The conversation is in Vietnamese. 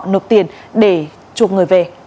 nộp tiền để chuộc người về